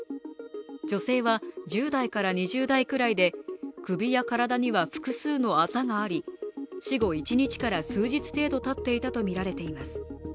女性は１０代から２０代くらいで首や体には複数のあざがあり死後１日から数日程度たっていたといいます。